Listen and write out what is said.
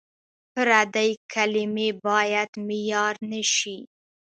پردۍ کلمې باید معیار نه شي.